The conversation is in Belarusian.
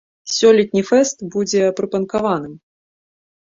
Сёлетні фэст будзе прыпанкаваным.